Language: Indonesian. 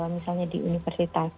misalnya di universitas